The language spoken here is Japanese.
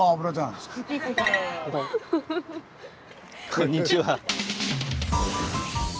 こんにちは。